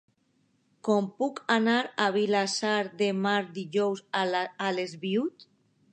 Com puc anar a Vilassar de Mar dijous a les vuit?